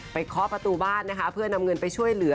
เคาะประตูบ้านนะคะเพื่อนำเงินไปช่วยเหลือ